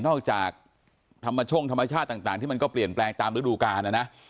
จากธรรมช่งธรรมชาติต่างที่มันก็เปลี่ยนแปลงตามฤดูกาลนะนะ